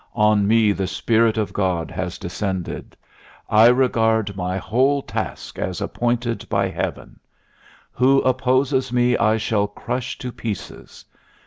On me the Spirit of God has descended. I regard my whole ... task as appointed by heaven. Who opposes me I shall crush to pieces.